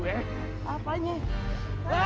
gak sampaiprech pokoknya